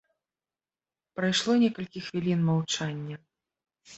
Прайшло некалькі хвілін маўчання.